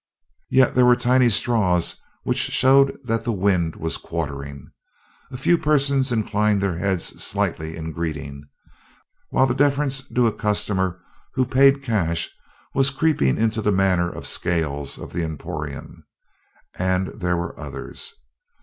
Yet there were tiny straws which showed that the wind was quartering. A few persons inclined their heads slightly in greeting, while the deference due a customer who paid cash was creeping into the manner of Scales of the Emporium. And there were others.